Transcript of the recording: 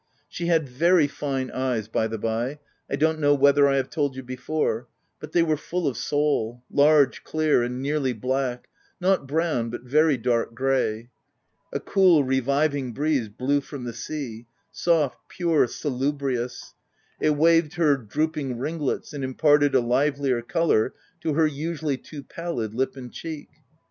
She had very fine eyes by the bye — I don't know whether I've told you before, but they were full of soul, large, clear, and nearly black — not brown, but very dark grey. A cool, reviving breeze, blew from the sea — soft, pure, salubrious : it waved her droop ing ringlets, and imparted a livelier colour to her usually too pallid lip and cheek.